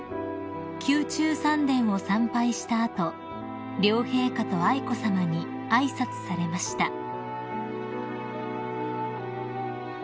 ［宮中三殿を参拝した後両陛下と愛子さまに挨拶されました］